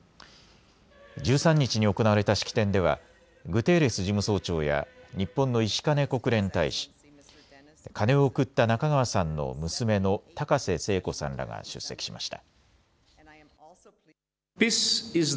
１３日に行われた式典ではグテーレス事務総長や日本の石兼国連大使、鐘を贈った中川さんの娘の高瀬聖子さんらが出席しました。